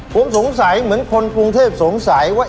ผมสงสัยเหมือนคนกรุงเทพสงสัยว่า